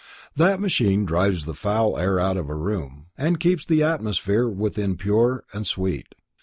That machine drives the foul air out of a room or building and keeps the atmosphere within pure and sweet.